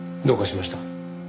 どうかしました？